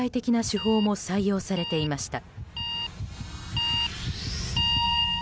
手法も採用されていました。